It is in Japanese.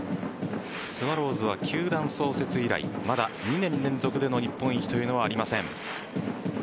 スワローズは球団創設以来まだ２年連続での日本一というのはありません。